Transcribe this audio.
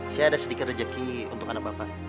saya ada sedikit rezeki untuk anak bapak